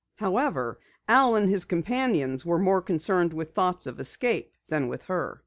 However, Al and his companions were more concerned with thoughts of escape than with her.